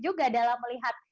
juga dalam melihat